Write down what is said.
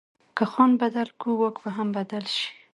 که ځان بدل کړو، واک به هم بدل شي.